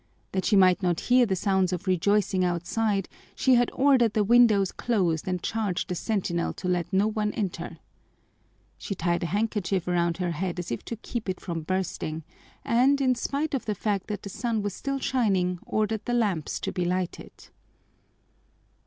That she might not hear the sounds of rejoicing outside she had ordered the windows closed and charged the sentinel to let no one enter. She tied a handkerchief around her head as if to keep it from bursting and, in spite of the fact that the sun was still shining, ordered the lamps to be lighted.